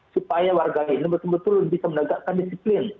supaya warga ini betul betul bisa menegakkan disiplin